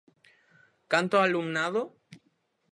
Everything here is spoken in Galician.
¿Canto alumnado?